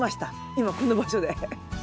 今この場所で。